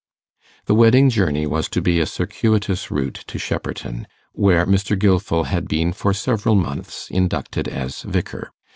The wedding journey was to be a circuitous route to Shepperton, where Mr. Gilfil had been for several months inducted as vicar.